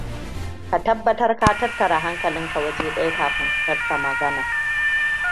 Ka tabbatar ka tattara hankalinka waje daya kafin furta magana.